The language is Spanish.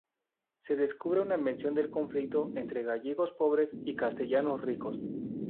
Se descubre una mención del conflicto entre gallegos pobres y castellanos ricos.